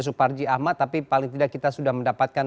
suparji ahmad tapi paling tidak kita sudah mendapatkan